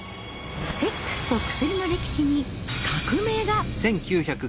セックスと薬の歴史に革命が。